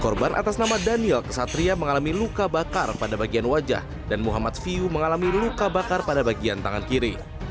korban atas nama daniel kesatria mengalami luka bakar pada bagian wajah dan muhammad fiu mengalami luka bakar pada bagian tangan kiri